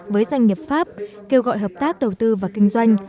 với doanh nghiệp pháp kêu gọi hợp tác đầu tư và kinh doanh